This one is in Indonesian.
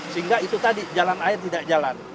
sehingga itu tadi jalan air tidak jalan